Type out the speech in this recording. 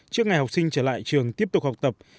trước ngày học sinh trở lại trường tiếp tục học tập